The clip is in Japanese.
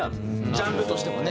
ジャンルとしてもね。